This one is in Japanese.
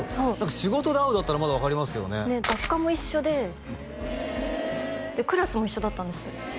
仕事で会うんだったらまだ分かりますけどね学科も一緒でクラスも一緒だったんです